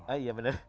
oh iya bener